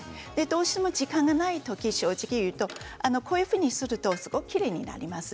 どうしても時間がないとき正直言うとこういうふうにするときれいになります。